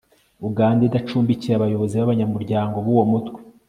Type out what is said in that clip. uganda idacumbikiye abayobozi n'abanyamuryango b'uwo mutwe